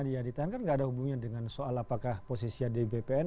dia ditahan kan nggak ada hubungannya dengan soal apakah posisi adbpn